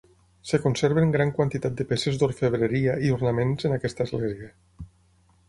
Es conserven gran quantitat de peces d'orfebreria i ornaments en aquesta església.